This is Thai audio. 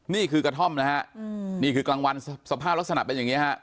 นี่คือกระท่อมนะฮะนี่คือกลางวันสภาพลักษณะเป็นอย่างนี้ฮะ